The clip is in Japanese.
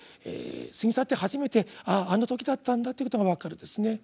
過ぎ去って初めて「あああの時だったんだ」ということが分かる。